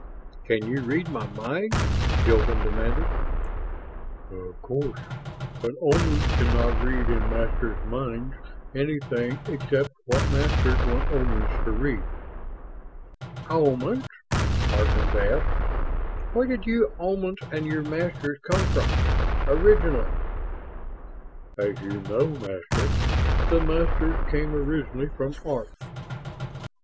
"Can you read my mind?" Hilton demanded. "Of course; but Omans can not read in Masters' minds anything except what Masters want Omans to read." "Omans?" Harkins asked. "Where did you Omans and your masters come from? Originally?" "As you know, Master, the Masters came originally from Arth.